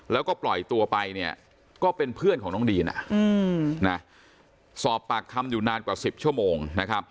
แล้วก็ปล่อยตัวไปเนี่ยก็เป็นเพื่อนของน้องดีนสอบปากคำอยู่นานกว่า๑๐ชั่วโมงนะครับ